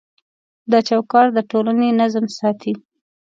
دا چوکاټ د ټولنې نظم ساتي.